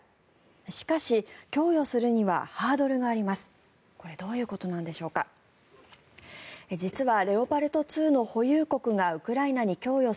しかし、供与するにはハードルがあります。